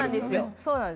そうなんです。